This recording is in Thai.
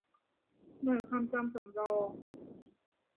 หน่วยความจำสำรอง